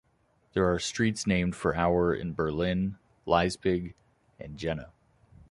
There are streets named for Auer in Berlin, Leipzig and Jena.